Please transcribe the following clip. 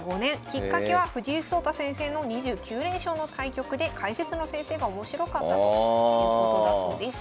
きっかけは藤井聡太先生の２９連勝の対局で解説の先生が面白かったということだそうです。